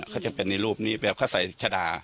เขาจะเป็นในรูปนี้แบบเขาใส่ชะดา